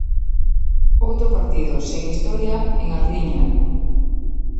Outro partido sen historia en Arliña.